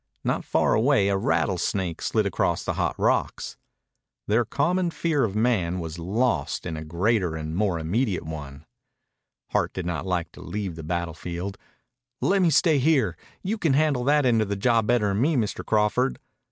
Not far away a rattlesnake slid across the hot rocks. Their common fear of man was lost in a greater and more immediate one. Hart did not like to leave the battle field. "Lemme stay here. You can handle that end of the job better'n me, Mr. Crawford."